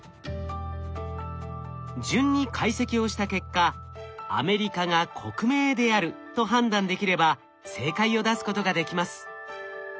順に解析をした結果「アメリカ」が国名であると判断できれば正解を出すことができます。